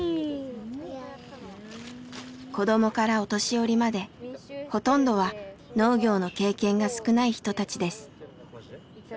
子どもからお年寄りまでほとんどは農業の経験が少ない人たちです。